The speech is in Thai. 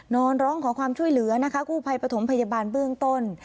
ร้องขอความช่วยเหลือนะคะกู้ภัยปฐมพยาบาลเบื้องต้น